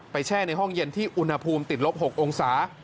แช่ในห้องเย็นที่อุณหภูมิติดลบ๖องศา